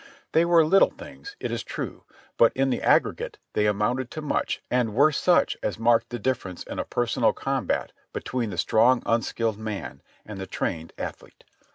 They were little things, it is true, but in the aggregate they amounted to much and were such as marked the difference in a personal combat between the strong unskilled man and the trained athlete.